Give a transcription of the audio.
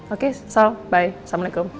oke sal bye assalamualaikum